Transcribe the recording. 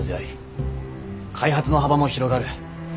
開発の幅も広がる。